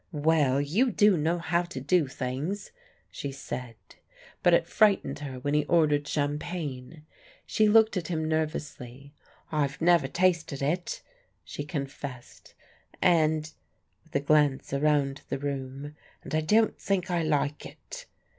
"Well, you do know how to do things," she said. But it frightened her when he ordered champagne. She looked at him nervously. "I've never tasted it," she confessed; "and" with a glance around the room "and I don't think I like it."